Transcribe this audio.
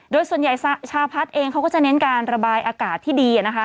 โดยส่วนใหญ่ชาพัฒน์เองเขาก็จะเน้นการระบายอากาศที่ดีนะคะ